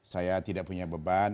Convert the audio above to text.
saya tidak punya beban